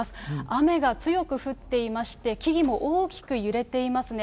雨が強く降っていまして、木々も大きく揺れていますね。